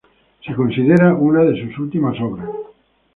Se considera una de sus últimas obras.